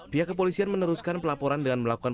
biar kepolisian meneruskan pelaporan